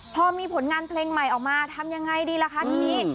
พอมีผลงานเพลงใหม่ออกมาทำยังไงดีล่ะคะทีนี้